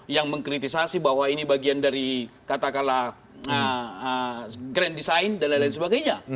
yang mengkritisasi bahwa ini bagian dari katakanlah grand design dan lain lain sebagainya